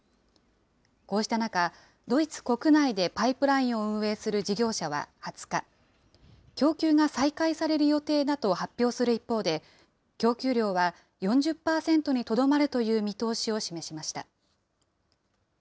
こうした中、ドイツ国内でパイプラインを運営する事業者は２０日、供給が再開される予定だと発表する一方で、供給量は４０％にとどまるという見通しを示しました。